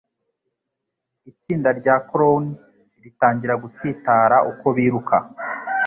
Itsinda rya clown ritangira gutsitara uko biruka.